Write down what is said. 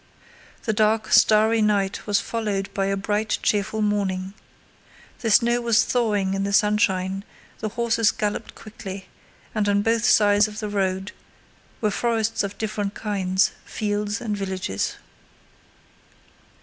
The dark starry night was followed by a bright cheerful morning. The snow was thawing in the sunshine, the horses galloped quickly, and on both sides of the road were forests of different kinds, fields, and villages.